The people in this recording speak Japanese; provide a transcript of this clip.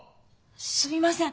すいません。